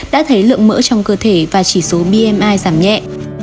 đã thấy lượng mỡ trong cơ thể và chỉ số bmi giảm nhẹ